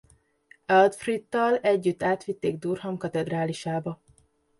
Eadfrith-tal együtt átvitték Durham katedrálisába.